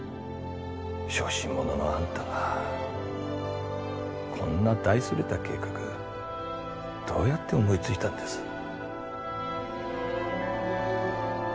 小心者のあんたがこんな大それた計画どうやって思いついたんです？